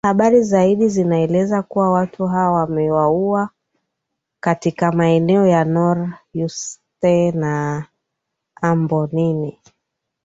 habari zaidi zinaeleza kuwa watu hawa wameuwawa katika maeneo ya nor uste na ambonin